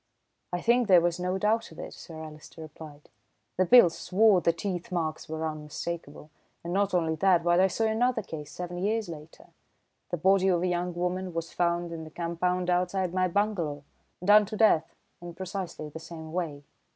"I think there was no doubt of it," Sir Alister replied. "The Bhils swore the teeth marks were unmistakable, and not only that, but I saw another case seven years later. The body of a young woman was found in the compound outside my bungalow, done to death in precisely the same way.